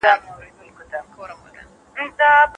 تاسو زکات په خوښۍ سره ورکړئ.